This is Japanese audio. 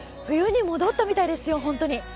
冬に戻ったみたいですよ、本当に。